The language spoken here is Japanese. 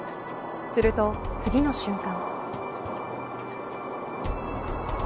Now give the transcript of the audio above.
すると次の瞬間。